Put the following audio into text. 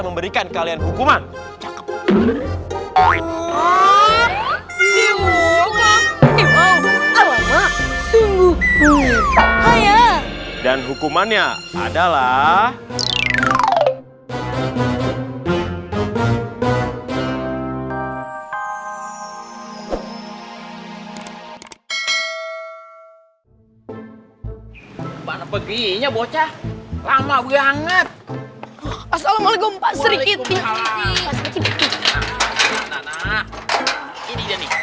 memberikan kalian hukuman dan hukumannya adalah mana peginya bocah lama banget assalamualaikum